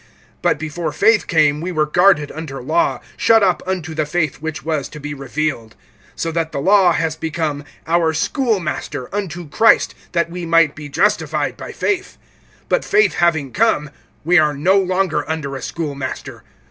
(23)But before faith came, we were guarded under law, shut up unto the faith which was to be revealed. (24)So that the law has become our schoolmaster, unto Christ, that we might be justified by faith. (25)But faith having come, we are no longer under a schoolmaster.